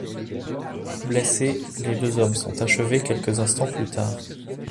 Blessés, les deux hommes sont achevés quelques instant plus tard.